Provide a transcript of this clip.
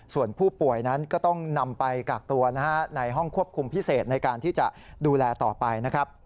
ส่วนผู้ป่วยนั้นก็ต้องนำไปกากตัวในห้องควบคุมพิเศษในการที่จะดูแลต่อไปนะครับ